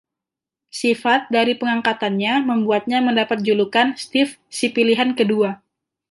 Sifat dari pengangkatannya membuatnya mendapat julukan "Steve Si Pilihan Kedua".